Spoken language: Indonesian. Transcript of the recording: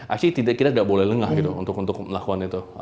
actually kita tidak boleh lengah untuk melakukan itu